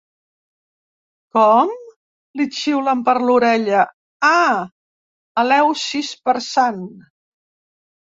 Com? —li xiulen per l'orellera– Ah, Eleusis per Sant